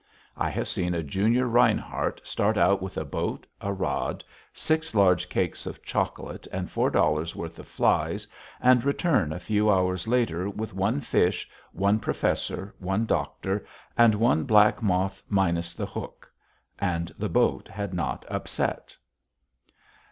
I have seen a junior Rinehart start out with a boat, a rod, six large cakes of chocolate, and four dollars' worth of flies, and return a few hours later with one fish, one Professor, one Doctor, and one Black Moth minus the hook. And the boat had not upset.